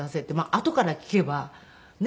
あとから聞けばねえ。